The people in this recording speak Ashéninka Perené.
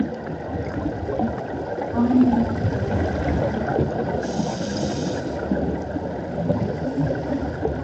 Ana owacha shinki sawari.